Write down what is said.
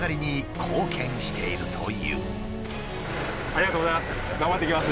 ありがとうございます。